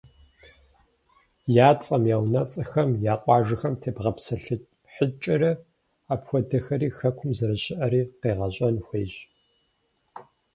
Я цӏэм, я унэцӏэхэм, я къуажэхэм тебгъэпсэлъыхькӏэрэ, апхуэдэхэри Хэкум зэрыщыӏэри къегъэщӏэн хуейщ.